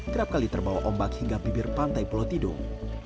kerap kali terbawa ombak hingga bibir pantai pulau tidung